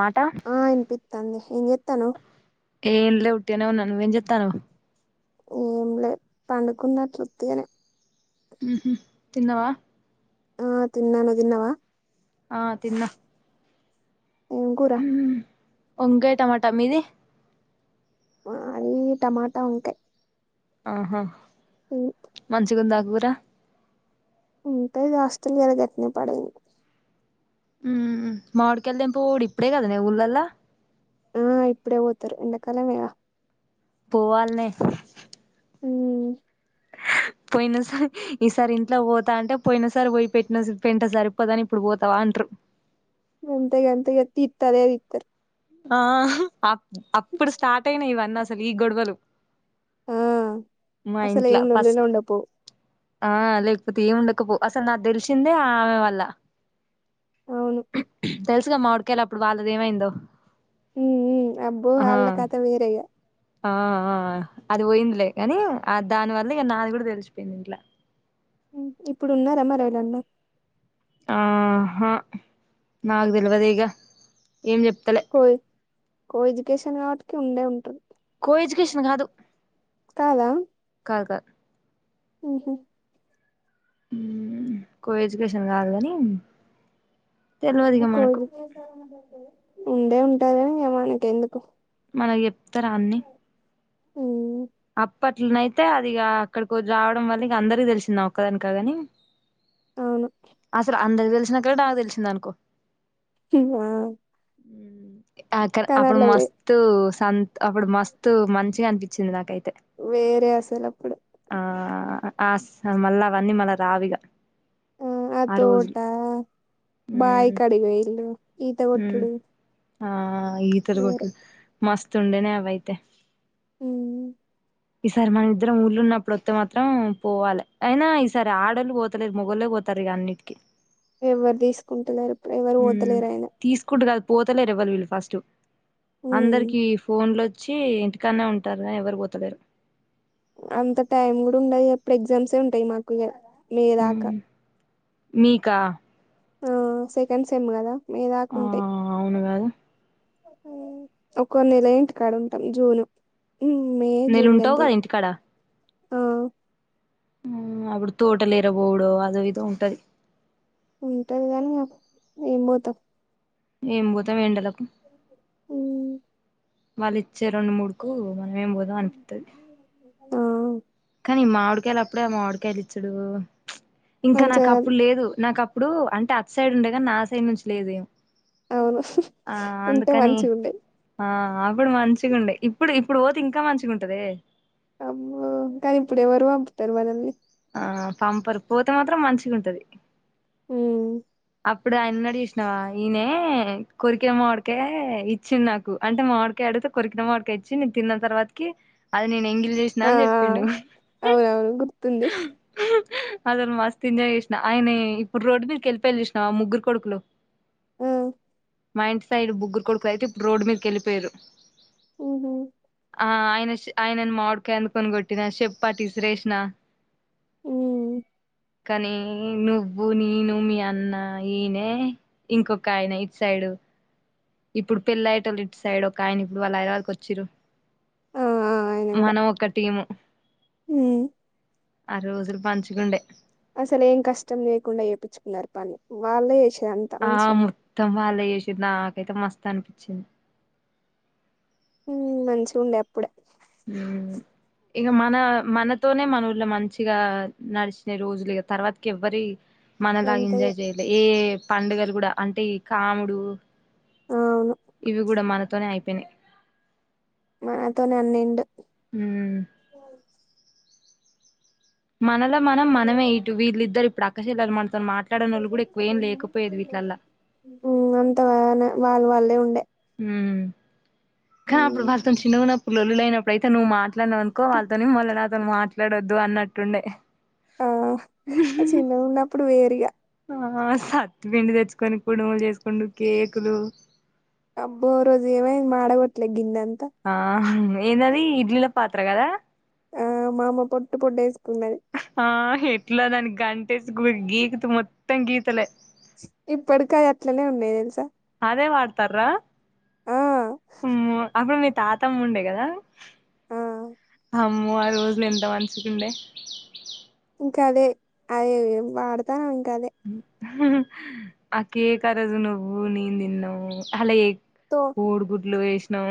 మాట ఆ వినిపిస్తంది ఏం చేతనావ్ ఏం లే ఉటిగనే ఉన్నా నువ్ ఏం చెతనవ్ ఏం లే పండుకున్నట్ల ఉత్తిగనే తిన్నవ ఆ తిన్న నువ్ తిన్నవ ఆ తిన్న ఏం కూర వంకాయ టమాటా మీది మా అన్ని టమాటా వంకాయ్ ఆహా ఉ తిగుందా కూర ఉంటయ్ గాస్తుల్ కదా గట్లనే పడయ్ ఊ మాడికల్ దెంపుడు కూడ ఇప్పుడే కదనే ఊళ్ళలా ఆ ఇప్పుడే పోతారు ఎండాకాలమేగా పోవాల్నే ఊ [inaudible] పోయిన సర ఈసారి ఇంట్లో పోతా అంటే పోయిన సారి పోయి పెట్టిన పెంట సరిపోదని ఇప్పుడు పోతావా అంట్రూ [inaudible] అంతే గంతే ఇగ తీతే అదే తీతరు ఆహ్ అప్ అప్పుడు స్టార్ట్ అయిన ఇవన్నీ అసలు ఈ గొడవలు ఆ మా అసలు ఇంట్ల ఏం లొల్లిలే ఫస్ట్ ఉండపోవు ఆ లేకపోతే ఏం ఉండకపో అసలు నాకు తెలిసిందే ఆమె వల్ల అవును తెలుసు గద మావిడకలప్పుడు వాళ్ళది ఏమైందో ఊ ఊ అబ్బో ఆ అళ్ళ కత వేరే ఇంగ ఆ ఆ అది పోయిందిలే కానీ ఆ దానివల్ల ఇగ నాది కూడా తెలిసిపోయింది ఇంట్ల ఊ ఇప్పుడు ఉన్నరా మరి ఎవరనా ఆ హా నాకు తెల్వదే ఇగ ఏం చెప్తలే కో కో ఎడ్యుకేషన్ కాబటికి ఉండే ఉంటది కో ఎడ్యుకేషన్ కాదు కాలా కాదు కాదు ఊహు ఊ ఉ కో ఎడ్యుకేషన్ కాదు గని కో [unintelligible] ఉండే ఉంటది గని ఇగ మనకి ఎందుకు మనకు చెప్తారా అన్ని ఊ అప్పట్లోనైతే అది ఇగ అక్కడికి రావడం వల్ల ఇంక అందరిక తెలిసింది నా ఒక్కదానికి కాదు గని అవును తెలిసినా కడ నాకు తెలిసింద అనుకో ఇగ ఊ ఆక్కడ అప్పుడు మస్తు సంత అప్పుడు మస్తు మంచిగ అనిపించింది నాకైతే వేరే అసలప్పుడు అ ఆస్ ఆ మళ్ళా అవన్నీ మళ్ళ రావిగా ఊ ఆ తోట బాయి ఉమ్ కాడి ఓయిల్లు ఈత ఉమ్ కొట్టుడు ఆ ఈతరు వేరే కొట్లు మస్తు ఉండేనే అవయితే హ ఈ సారి మన ఇద్దరం ఉళ్ళలు ఉన్నప్పుడు మాత్రం పోవాలి అయినా ఈసారి ఆడళ్ళు పోతలేదు మొగళ్లే పోతారు ఇక అన్నిటికీ ఎవరు తీసుకుంటున్నారుప్పుడు ఉమ్ పోతలేరు తీసుకుంటు కాదు పోతలేరు ఇవ్వాల వీళ్ళు ఫస్ట్ ఉమ్ అందరికిీ ఫోన్లో వచ్చి ఇంటికనే ఉంటారు ఎవరు పోతలేరు అంత టైం కూడా ఉండది ఎప్పుడు ఎగ్జామ్సే ఉంటాయి మాకు మేదాకా ఉమ్ మీకా ఆ సెకండ్ సేమ్ కదా మీ ఆ దాకుంటే అవును కాదు ఒకొ నెల ఏంటి కాడ ఇంటి జూను నేలుంటావు కదా ఇంటికాడ ఆ అప్పుడు తోట లేరబోడ అదో ఇదో ఉంటది ఉంటది గాని ఏం పోతాం ఏం పోతాం ఎండలో అ వాళ్ళు ఇచ్చే రెండు మూడుకు మనం ఏం పోదాం అనిపిస్తుది ఆ కానీ మావిడికాయలు అప్పుడే మావిడికాయలు ఇచ్చడు ఇంకా నాకు మంచిగా అప్పుడు లేదు నాకుప్పు ఇప్పుడు అంటే అత్ సైడ్ ఉండే కానీ నా సైడ్ నుంచి లేదేం అవును ఆ ఉంటే అందుకని మంచిగా ఉండే ఆ అప్పుడు మంచిగా ఉండే ఇప్పుడు ఇప్పుడు పోఓతి ఇంకా మంచిగా ఉంటది అమ్ కని ఎప్పుడు ఎవరుఅ పతర్వానల్ని ఆ పంపారు పోూతే మాత్రం మంచిగా ఉంటది హ అప్పుడు ఆయన్నడు చూసినావా ఈయన కొరికే మాడికాయ ఇచ్చింది నాకు అంటే మామిడికాయ తవా బయట ఆ చెప్పిడు అవునవును గుర్తుంది అసలు మస్ ఎంజాయ్ చేసినా ఆయన ఇప్పుడు రోడ్డు మీదకిెలిిపో వెళ్ళిసిన ఆ ముగ్గురు కొడుకులు ఆ మా ఇంటి సైడ్ బుగ్గురు కొడుకు అయితే ఇప్పుడు రోడ్ మీదకిెళ్ిపోయారు ఉఓ ఆ ఆయన ఆయన మామిడికా ఎందుకొని కొట్టిన చెప్పటి శ్రేష్ణ ఉమ్ కానీ నువ్వు నీను మీ అన్న ఈయనే ఇంకొక ఆయన ఇట్ సైడు ఇప్పుడు పెళ్ళి అయ్యట వాళ్ళ ఇటు సైడ్ ఒక ఆయన ఇప్పుడు వాళ్ళు ఆయన వాళ్ళకి వచ్చారు ఆ మనం ఒక టీము హ ఆర రోజులు పనించికండే అసలు ఏం కష్టం లేకుండా చేయించుకున్నారు పళ్ని వాళ్ళే చే ఆ మొత్తం వాళ్ళ చేసింది నాకైతే మస్త అనిపించింది మంచిగా ఉండే అప్పుడే హ ఇక మన మనతోనే మన ఊళ్ళ మంచిగా నడిచిన రోజులు ఇక తర్వాతకి ఎవ్వరి మనలాగా అంతే ఇగ ఎంజాయ్ చేయాలి ఏ పండుగలు కూడా అంటే ఈ కాముడు అవు ఇవి కూడా మనతోనే అయిపోయినాయి మనతో నన్నడు ఉమ్ మనలో మనం మనమే ఇటు వీళ్ళిద్దరు ఇప్పుడు అక్కసల మన వీట్లల్లా అంతనే వాళ్ళు వాళ్ళే ఉండే కా అప్పుడు ఉమ్ వార్త చిన్నవున్నప్పుడు లలొల్లిలు అయినప్పుడు అయితే నువ్ మా ఇట్లని అనుకో వాళ్ళతోని మల్ల నాతోనీ మాట్లాడొద్దు అన్నట్టుండే ఆ చిన్నగా ఉన్నప్పుడు వేరుగా ఆ సత్తిపిండి తెచ్చుకొని కుడమలు చేసుకునీ కేకులు అబ్బ రోజు ఏమయింది మాడకోట్ల గిన్ని అంత ఆ ఎందది ఇడ్లీ పాత్ర కదా ఆ మా అమ్మ పొట్టు పొట్ట వేసుకున్నాది ఆ ఎట్లా దానికి గికితే మొత్తం గీతలే ఇప్పటికా అది అట్లనే ఉన్నాయి తెలుసా అదే వాడతార ఆ అమ్మో అసలు తాతమ్మ ఉండే కదా ఆ అమ్మో ఆ రోజులు ఎంత మంచిగా ఉండే ఇంకా అదే అదే వాడతాను ఇంకా అదే ఆ కేక్ ఆ రోజు నువ్వు నేను తిన్నాం అలా తో కోడుగుడ్లు వేసినాం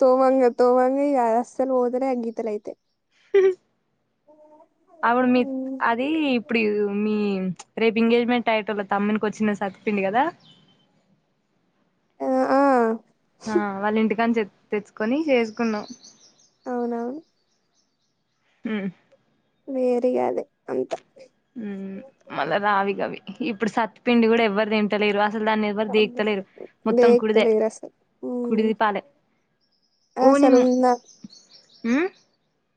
తోవాంగ తోవాంగ ఈ అస్సలు పోతలే అ గీతేల అయితే ఓ అవుడు మీ అదే ఇప్పుడు మీ రేపు ఎంగేజ్మెంట్ అయ్యటళ తమ్కి వచ్చిన సతిపిండి కదా ఆ ఆ ఆ వాళ్ళ ఇంటికని తెచ్చుకొని చేసుకున్నాం అవునవును హ వేరగా అదే అంత ఉ మళ్ళా రావిగవి ఇప్పుడు సత్తుపిండి కూడా ఎవ్వరు తింటలేరు అసలు దాన్ని ఎవరు దేకుతలేరు మొత్తం కుడిదే దేక్తలేరు కుడిది పాలె ఆ సార్ ఉందా హ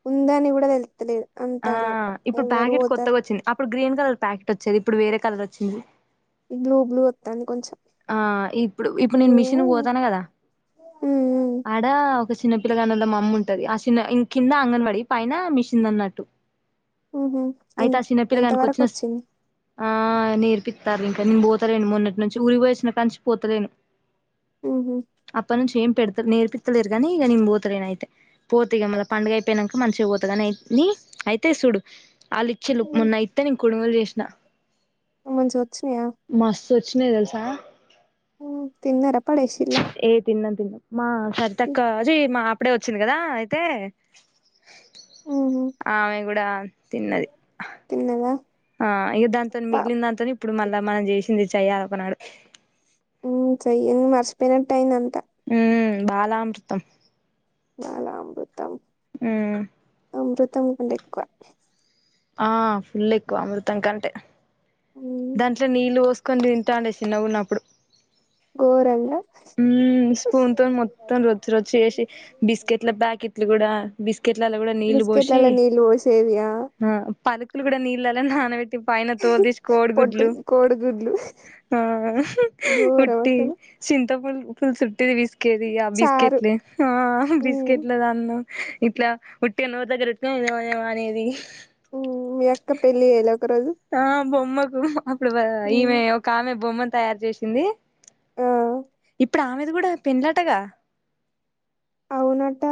ఉందని కూడా తిలుత్తలేదు ఆ ఇప్పుడు ప్యాకెట్ కొత్తగా వచ్చింది అప్పుడు గ్రీన్ కలర్ ప్యాకెట్ వచ్చేది ఇప్పుడు వేరే కలర్ వచ్చింది ఈ బ్లూ బ్లూ వత్తంది కొంచెం ఆ ఇప్పుడు ఇప్పుడు నేను బ్లూ మిషన్ పోతాను కదా ఉమ్ ఆడ ఒక చిన్నపిల్లగాన్నద మమ్ ఉంటది ఆ చిన్న ఇం కింద అంగన్వాడి పైన మీషంద అన్నట్టు ఉహు ఎ అయితే ఆ చిన్న ఎంత పిలగాడికి వరకు వచ్చిన వచ్చింది ఆ నేర్పిస్తారు ఇంకా నేను పోతలేను మొన్నటి నుంచి ఊరికి పోయిసిన కానించి పోతలేను ఉహు అప్పడి నుంచి ఏం పెడుత నేర్పితలేరు కానీ ఇక నేను పోతలేను అయితే పోత ఇగ మ పండుగ అయిపోయినాక మంచిగా పోతగాని అ అయితే సూడు వాళ్ళు ఇచ్చేలు మొన్న అయితే నేను కుడుములు చేశా మంచిగా వచ్చినయా తెలుసా తిన్నార పడేసిర ఏ తిన్నాం మా సరితక్కా అజ మా అప్పుడే వచ్చింది కదా అయితే ఉహు ఆ ఆమె కూడా తిన్నది తిన్నదా ఆ ఇక దాంతో పా మిగిలిన దాంతో ఇప్పుడు మళ్ళా మనం చేసింది చెయ్యాల ఒకనాడు చెయ్య మర్చిపోయినట్టు అయింది అంతా ఉ బాలామృతం బాలమృతం మ్ అ మృతం కంటే ఎక్కువ ఆ ఫుల్ ఎక్కువ అమృతం కంటే ఉమ్. దాంట్లో నీళ్లు వస్త్ కొన్ని తింటాండ్య చిన్నగున్నప్పుడు ఘోరంగా ఉమ్ స్పూన్ తో మొత్తం రొచ్చ్ రచ్చు చేసి బస్కట్ల బ్యా ప్యాకిట్లు కూడా బిస్కట్లలో కూడా నీళ్ళు పోసి బిస్కెట్లలో నీళ్ళు పోసేదియా ఆ పాలుక్ టులు కూడా నీళ్ళలో నానబట్టి పైన తోల్ దీసి కోడ్ పొట్టి గుడ్లు కోడిగుడ్లు ఆ హు ఘోరం ఉట్టి అసలు చింతపండ్ ఫుల్ చుట్టి పిస్కెది ఆ చారు బిస్కెట్లే ఆ ఆ ఉమ్ బిస్కెట్ల దాన్న ఇట్లా ఉట్టిగా నోరు దగ్గరెట్టుకొని యువ యువ అనేది ఉ మీ అక్క పెళ్ళి చేయాలా ఒక రోజు ఆ బొమ్మకు అప్పుడు ఉమ్ ఈమె ఒక ఆమె బొమ్మ తయారు చేసింది. ఆ ఇప్పుడు ఆమెది కూడా పెళ్ళంటాగా నట్ట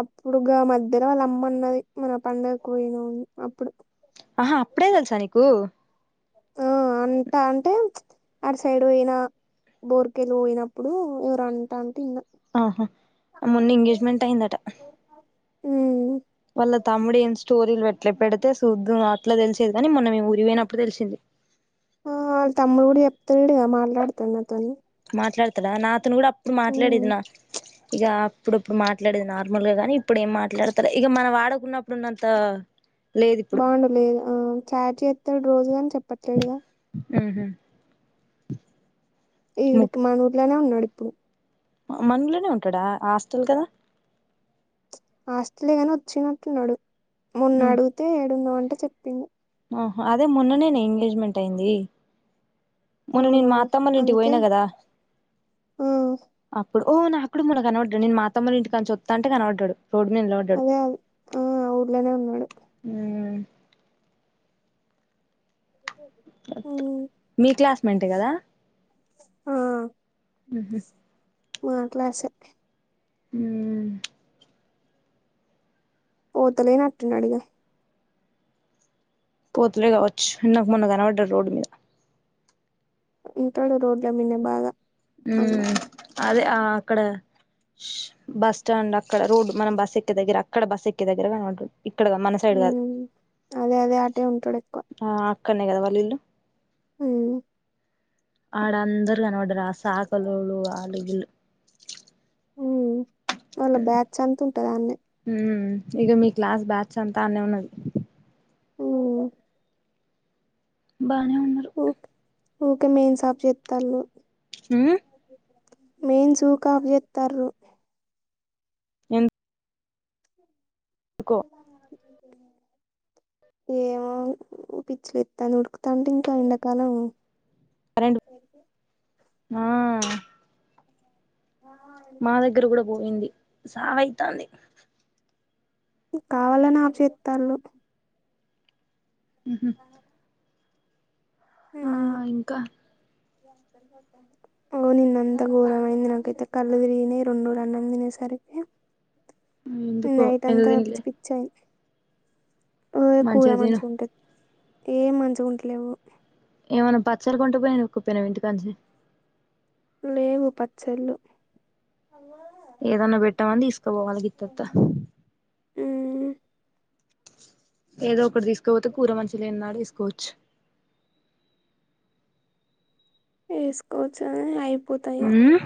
అప్పుడుగా మధ్యల వాళ్ళు అమ్మ అన్నది మన పండగక్కు పోయినం అప్పుడు. ఆహా అప్పుడే తెలుసా నీకు ఆ అంట అంటే చ్ ఆడు సైడ్ పోయిన బోర్కెలు పోయినప్పుడు ఎవరో అంటా ఆహా మొన్న ఎంగేజ్మెంట్ అయిందట. ఉ ఉ వాళ్ళ తమ్ముడు ఏం స్టోరీలు వెట్ల పెడితే చూద్దుం అట్లా తెలిసేది గాని మొన్న మేము ఊరికి పోయినప్పుడు తెలిసింది. ఆ వాళ్ళ తమ్ముడు కూడా చెప్తన్నాడుగా మాట్లాడతోను నాతోను. మాట్లాడతడా నాతోను కూడా అప్పుడు ఉమ్ మాట్లాడేది నా చ్ ఇక అప్పుడప్పుడు మాట్లాడేది నార్మల్ గా గాని ఇప్పుడు ఏం మాట్లాడతల్య ఇక మన వాడకున్నప్పుడున్నంత. లేదు ఇప్పుడు బాగుండు లేదు ఆ చాట్ చేస్తాడు రోజుగాని చెప్పట్లేడుగా. ఉహు ము ఇండుకు మన ఊర్లోనే ఉన్నడిప్పుడు మనలోనే ఉంటాడా హాస్టల్ కదా హాస్టలే గాని వచ్చినట్టున్నాడు మొన్న అడగితే ఏడున్నవ్ అంటే చెప్పిండ్య. ఆహ అదే మొన్ననేనే ఎంగేజ్మెంట్ అయింది. మొన్న నేను అవునా మా అత్తమ్మ ఇంటికి అందుకే పోయినా కదా ఆ ఆ అప్పుడు ఓనా అక్కడ కూడా కనపడ్డడు, నేను మా అత్తమొల్ల ఇంటికా నుంచి వస్తాంటే కనపడ్డాడు. రోడ్ మీద నిలాబడ్డాడు అదే అదే ఆ ఊర్లోనే ఉన్నాడు ఉ ఉమ్ మీ క్లాస్మెంటె కదా ఆ ఉహు మా క్లాసే ఉ పోతలేనట్టు ఉన్నాడు ఇగ పోతులే కావచ్చు నాకు మొన్న కనపడ్డాడు రోడ్డు మీద. వుంటాడు రోడ్ల మీందే బాగా ఉ అన్న అదే ఆ అక్కడ స్ బస్ స్టాండ్ అక్కడ రోడ్ మనం బస్ ఎక్కే దగ్గర అక్కడ బస్ ఎక్కే దగ్గర కనపడ్డాడు. ఇక్కడగా మన సైడ్ కాదు ఉమ్ అదే అదే అటే ఉంటాడు ఆ అక్కడనే కదా వాళ్ళ ఇల్లు. ఉ ఆడ అందరు కనపడ్డారు ఆ సాకలోళ్ళు ఆళ్ళు ఇళ్ళు. ఉ వాళ్ళ బ్యాచ్ అంత ఉంటుంది అన్నే ఉ ఇక మీ క్లాస్ బ్యాచ్ అంతా అన్నే ఉన్నది. ఉమ్ బానే ఉన్ ఉక్ ఉకే మెయిన్ షాప్ చెస్తళ్ళు ఉ మెయిన్ సూ కాఫ్ చేతర్రు ఎన్ పో ఏమో పిచ్చిలస్తాను ఉడుకుతాంటే ఇంకా ఎండాకాలం కరెంట్ ఇక ఆ మా దగ్గర కూడా పోయింది సావ అయితది కావాలని ఆఫ్ చేతల్లు ఆ ఇంకా ఓ నిన్నంత ఘోరమైంది నాకైతే కళ్ళు తిరిగిన రెండు రన్నం తినసా తే ఎందుకో నైట్ ఎందుకు అంతా తినలే పిచ్చి పిచ్చాయి ఓయ కూర మంచిగా తిను మంచిుగా ఉంటేది ఏం మంచిగాగుంటలేవు ఏమన్నా పచ్చరి కొంటకు పోయానుకుపన ఇంటికానుచి లేవు పచ్చళ్ళు ఏదన్నా పెట్టామని తీసుకుపోవాలి గింతంత మ్మ్ ఏదో ఒకటి తీసుకోపోతే కూర మంచిలేడు వేసుకోవచ్చు వేసుకోవచ్చు అని అయిపోతాయి ఉమ్